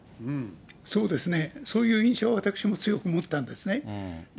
そうですね、そういう印象を私も強く持ったんですね。